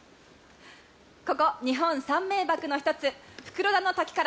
ここ、日本三名瀑の１つ袋田の滝から